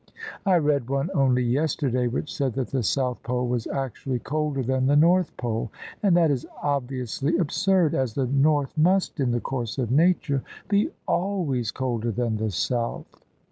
I read one only yesterday which said that the South Pole was actually colder than the North Pole, and that is obviously absurd ; as the North must in the course of Nature be always colder than the South.